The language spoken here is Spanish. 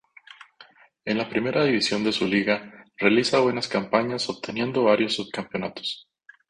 En la primera división de su liga realiza buenas campañas obteniendo varios subcampeonatos.